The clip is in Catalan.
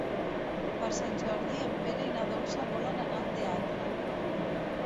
Per Sant Jordi en Pere i na Dolça volen anar al teatre.